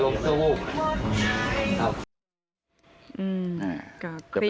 ผมทำไปผมก็ไม่ได้อะไรอารมณ์ชั่วบูบ